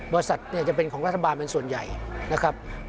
บริษัทเนี่ยจะเป็นของรัฐบาลเป็นส่วนใหญ่นะครับ